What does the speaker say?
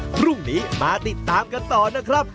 พรุ่งนี้มาติดตามกันต่อนะครับ